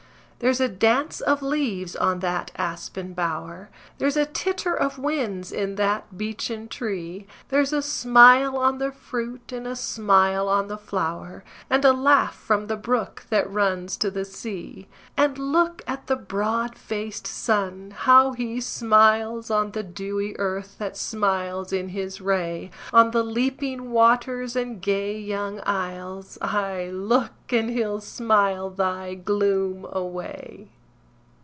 There's a dance of leaves on that aspen bower, There's a titter of winds in that beechen tree, There's a smile on the fruit, and a smile on the flower, And a laugh from the brook that runs to the sea. And look at the broad faced sun, how he smiles On the dewy earth that smiles in his ray, On the leaping waters and gay young isles; Ay, look, and he'll smile thy gloom away.